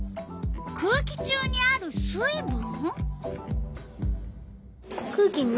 「空気中にある水分」？